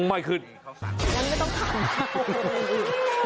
ไม่ขึ้นงั้นไม่ต้องทำ